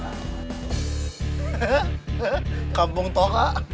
hehehe kampung toka